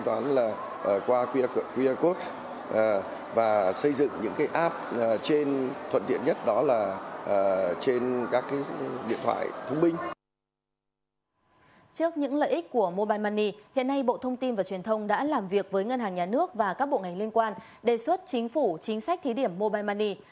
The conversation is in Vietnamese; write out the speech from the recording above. trước những lợi ích của mobile money hiện nay bộ thông tin và truyền thông đã làm việc với ngân hàng nhà nước và các bộ ngành liên quan đề xuất chính phủ chính sách thí điểm mobile money